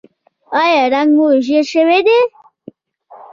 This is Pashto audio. ایا رنګ مو ژیړ شوی دی؟